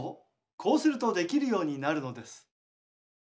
こうするとできるようになるのです。